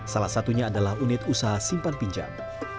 salah satunya adalah unit usaha simpan pinjam